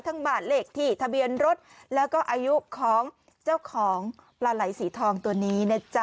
บาทเลขที่ทะเบียนรถแล้วก็อายุของเจ้าของปลาไหล่สีทองตัวนี้นะจ๊ะ